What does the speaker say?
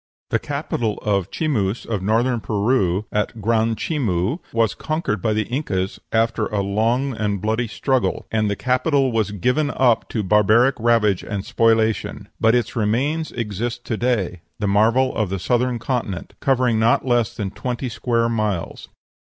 The capital of the Chimus of Northern Peru at Gran Chimu was conquered by the Incas after a long and bloody struggle, and the capital was given up to barbaric ravage and spoliation. But its remains exist to day, the marvel of the Southern Continent, covering not less than twenty square miles.